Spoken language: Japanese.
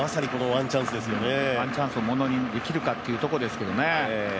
ワンチャンスをものにできるかっていうところですけどね。